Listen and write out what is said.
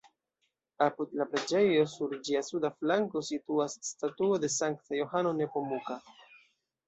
Apud la preĝejo, sur ĝia suda flanko, situas statuo de Sankta Johano Nepomuka.